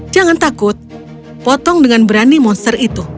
jangan takut potong dengan berani monster itu